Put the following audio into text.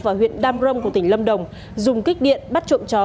và huyện đam rông của tỉnh lâm đồng dùng kích điện bắt trộm chó